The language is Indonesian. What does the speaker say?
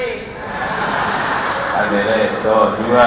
ikan lele itu dua